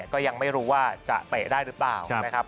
ก็ยังไม่รู้ว่าจะเตะได้หรือเปล่านะครับ